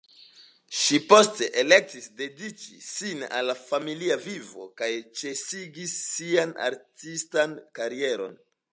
Ŝi poste elektis dediĉi sin al familia vivo kaj ĉesigis sian artistan karieron.